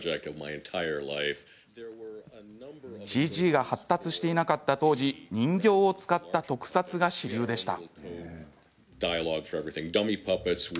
ＣＧが発達していなかった当時人形を使った特撮が主流でした。